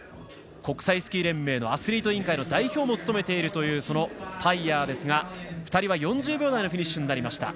国際スキー連盟のアスリート委員会の代表も務めているというパイヤーですが、２人は４０秒台のフィニッシュです。